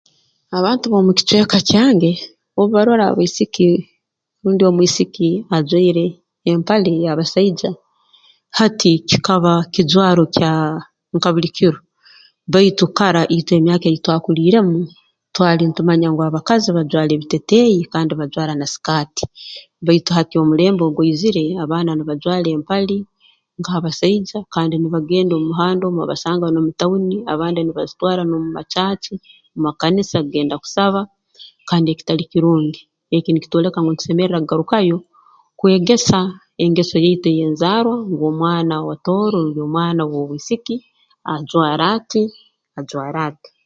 Abantu ab'omu kicweka kyange obu barora obaisiki rundi omwisiki ajwaire empale y'abasaija hati kikaba kijwaro kya nka buli kiro baitu kara itwe emyaka ei twakuliiremu twali ntumanya ngu abakazi bajwara ebiteteeyi kandi bajwara na sikaati baitu hati omuleme ogwaizire abaana nibajwara empali nk'abasaija kandi nibagenda omu muhanda omu noobasanga n'omu tauni abandi nibazitwara n'omu ma caaci mu makanisa okugenda kusaba kandi ekitali kirungi eki nikitwoleka ngu ntusemerra kugarukayo kwegesa engeso yaitu ey'enzarwa ngu omwana owa Tooro rundi omwana ow'obwisiki ajwara ati ajwara ati